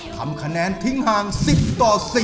ทำคะแนนทิ้งห่าง๑๐ต่อ๑๐